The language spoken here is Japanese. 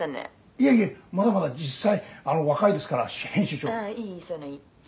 いえいえまだまだ実際若いですから編集長「ああいいそういうのいい」